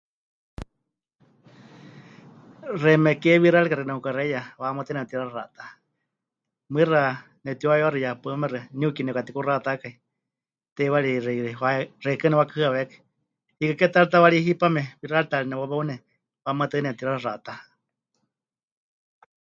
Xeíme ke wixárika xɨka ne'ukaxeiya wahamatɨa nepɨtixaxatá. Mɨixa nepɨtiuhayewaxɨ ya paɨmexa. Niuki nepɨkatikuxatakai. Teiwarixi xeikɨ́a nepɨwakɨhɨawékai. Hiikɨ ke ta ri tawaarí hipame wixáritaari nepɨwawaune, wahamatɨa nepɨtixaxatá.